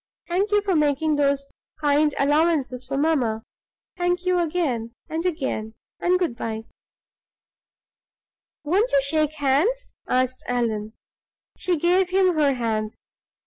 Thank you for making those kind allowances for mamma; thank you again and again, and good by!" "Won't you shake hands?" asked Allan. She gave him her hand.